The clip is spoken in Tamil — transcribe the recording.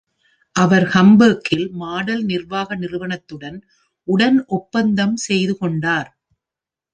அவர் Hamburg இல் மாடல் நிர்வாக நிறுவனத்துடன் உடன் ஒப்பந்தம் செய்து கொண்டார்.